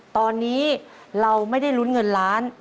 ตอนนี้เราไม่ได้ลุ้นเงินล้าน